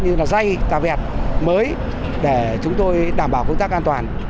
như là dây cà vẹt mới để chúng tôi đảm bảo công tác an toàn